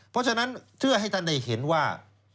เพราะฉะนั้นเชื่อให้ท่านได้เห็นว่า